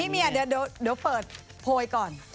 เมียเดี๋ยวเปิดโพยก่อน